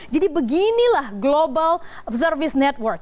jadi beginilah global service network